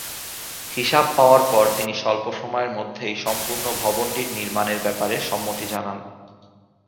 হিসাব পাওয়ার পর তিনি স্বল্প সময়ের মধ্যেই সম্পূর্ণ ভবনটির নির্মাণ এর ব্যাপারে সম্মতি জানান।